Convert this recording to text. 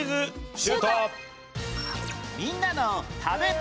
シュート！